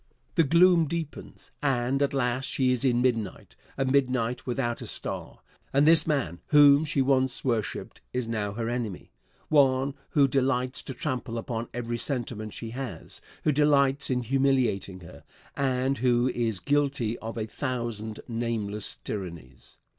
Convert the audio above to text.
The gloom deepens, and at last she is in midnight a midnight without a star. And this man, whom she once worshiped, is now her enemy one who delights to trample upon every sentiment she has who delights in humiliating her, and who is guilty of a thousand nameless tyrannies.